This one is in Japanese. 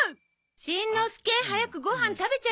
しんのすけ早くご飯食べちゃいなさい。